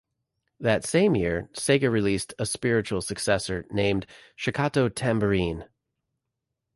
That same year, Sega released a spiritual successor named "Shakatto Tambourine".